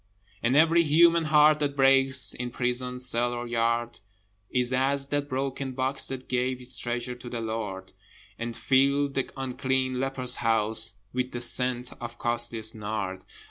And every human heart that breaks, In prison cell or yard, Is as that broken box that gave Its treasure to the Lord, And filled the unclean leper's house With the scent of costliest nard.